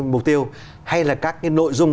mục tiêu hay là các cái nội dung